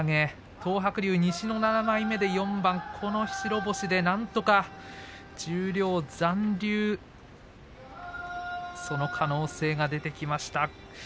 東白龍、西の７枚目で４番この白星でなんとか十両残留その可能性が出てきました。